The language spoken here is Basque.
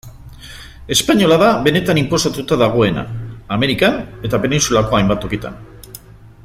Espainola da benetan inposatuta dagoena, Amerikan eta penintsulako hainbat tokitan.